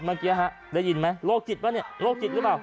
มันเกียรติฮะได้ยินมั้ยโรคจิตป่ะเนี่ย